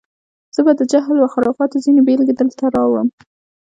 زه به د جهل و خرافاتو ځینې بېلګې دلته راوړم.